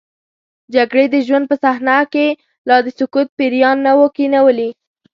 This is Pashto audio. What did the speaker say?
جګړې د ژوند په صحنه کې لا د سکوت پیریان نه وو کینولي.